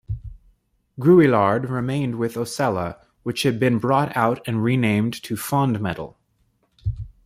Grouillard remained with Osella, which had been brought out and renamed to Fondmetal.